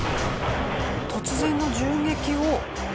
突然の銃撃を。